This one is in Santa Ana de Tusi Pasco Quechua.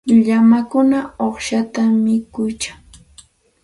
Llamakuna uqshatam mikuyan.